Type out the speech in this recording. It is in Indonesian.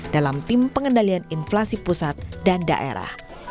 dalam tim pengendalian inflasi pusat dan daerah